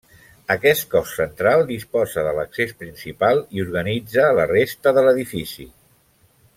Aquest cos central disposa de l'accés principal i organitza la resta de l'edifici.